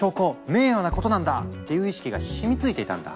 名誉なことなんだ！」っていう意識が染みついていたんだ。